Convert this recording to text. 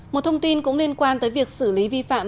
một thông tin cũng liên quan tới việc xử lý vi phạm